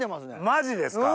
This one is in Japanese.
マジですか！